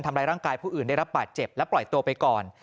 ทำร้ายร่างกายผู้อื่นได้รับบาดเจ็บและปล่อยตัวไปก่อน